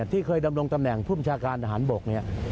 ที่เคยดำรงตำแหน่งผู้ประชาการอาหารบก